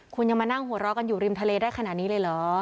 คุณยังมานั่งหัวเราะกันอยู่ริมทะเลได้ขนาดนี้เลยเหรอ